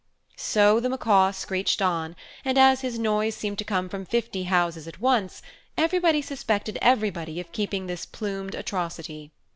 So the Macaw screeched on, and as his noise seemed to come from fifty houses at once, everybody suspected everybody of keeping this plumed atrocity.